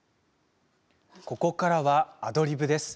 ここからはアドリブです。